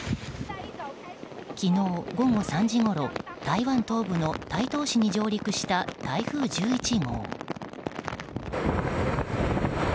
昨日午後３時ごろ、台湾東部の台東市に上陸した台風１１号。